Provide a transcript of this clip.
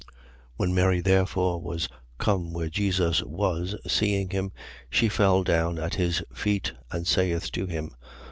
11:32. When Mary therefore was come where Jesus was, seeing him, she fell down at his feet and saith to him.